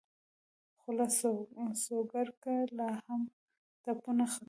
خو له سوکړکه لا هم تپونه ختل.